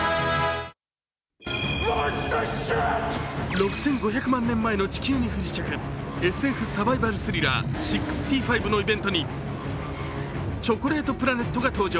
６５００万年前の地球に不時着、ＳＦサバイバルスリラー「６５／シックスティ・ファイブ」のイベントにチョコレートプラネットが登場。